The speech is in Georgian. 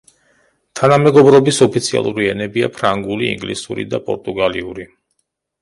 თანამეგობრობის ოფიციალური ენებია ფრანგული, ინგლისური და პორტუგალიური.